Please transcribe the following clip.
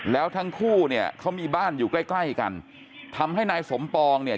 แล้วทั้งคู่เนี่ยเขามีบ้านอยู่ใกล้ใกล้กันทำให้นายสมปองเนี่ย